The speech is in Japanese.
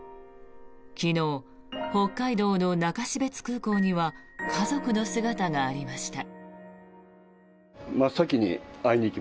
昨日、北海道の中標津空港には家族の姿がありました。